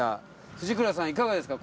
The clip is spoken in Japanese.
藤倉さんいかがですか？